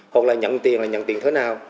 hoặc là nhận tiền là nhận tiền thế nào